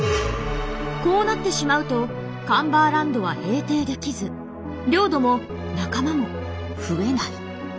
こうなってしまうとカンバーランドは平定できず領土も仲間も増えない。